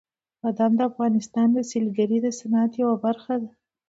بادام د افغانستان د سیلګرۍ د صنعت یوه برخه ده.